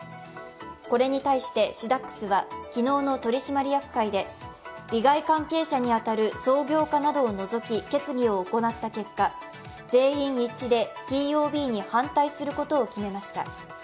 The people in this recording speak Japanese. これに対してシダックスは昨日の取締役会で利害関係者に当たる創業家などを除き決議を行った結果、全員一致でＴＯＢに反対することを決めました。